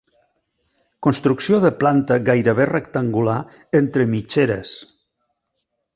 Construcció de planta gairebé rectangular entre mitgeres.